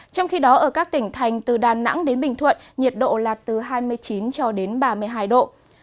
trong khi đó ở các tỉnh thành từ đà nẵng đến bình thuận nhiệt độ là từ hai mươi chín cho đến ba mươi hai độ